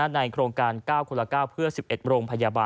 ในโครงการเก้าคนละเก้า